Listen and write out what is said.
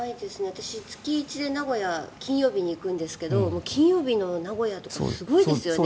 私、月一で名古屋金曜日に行くんですけど金曜日の名古屋とかすごいですよね。